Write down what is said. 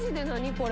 これ」